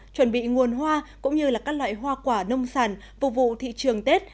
chuẩn bị nguồn hoa cũng như các loại hoa quả nông sản phục vụ thị trường tết